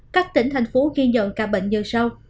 các tỉnh thành phố ghi nhận ca bệnh giờ sau